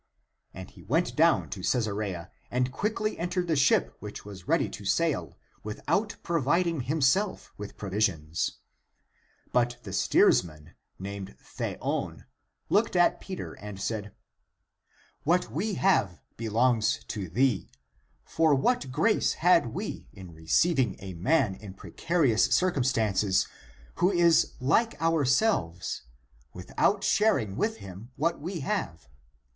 And he went down to Caesarea and quickly entered the ship which was ready to sail without providing (himself) with provisions. But the steersman, named Theon, looked at Peter and said, " What we have belongs to thee. For what grace had we in receiving a man in precarious cir cumstances, who is like ourselves, without sharing with him what we have?